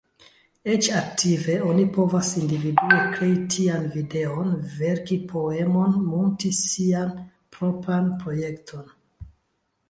Eĉ aktive, oni povas individue krei tian videon, verki poemon, munti sian propran projekton.